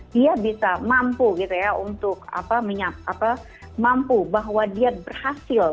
dia bisa mampu gitu ya untuk mampu bahwa dia berhasil